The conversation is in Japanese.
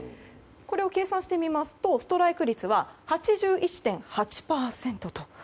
これを計算してみますとストライク率は８１．８％と。